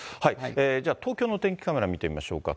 じゃあ、東京のお天気カメラ見てみましょうか。